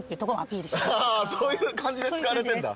そういう感じで使われてんだ。